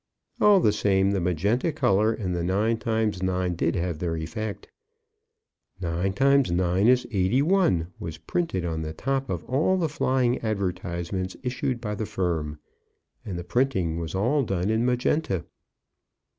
All the same the magenta colour and the nine times nine did have their effect. "Nine times nine is eighty one," was printed on the top of all the flying advertisements issued by the firm, and the printing was all done in magenta.